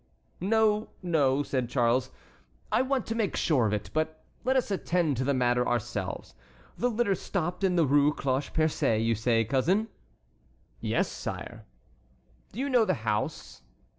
"No, no," said Charles, "I want to make sure of it; but let us attend to the matter ourselves. The litter stopped in the Rue Cloche Percée, you say, cousin?" "Yes, sire." "Do you know the house?"